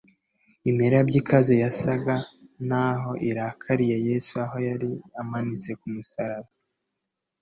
imirabyo ikaze yasaga n’aho irakariye yesu aho yari amanitse ku musaraba